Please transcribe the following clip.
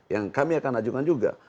yang kami akan ajukan juga